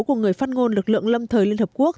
của người phát ngôn lực lượng lâm thời liên hợp quốc